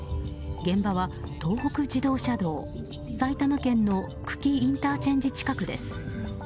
現場は東北自動車道埼玉県の久喜ＩＣ近くです。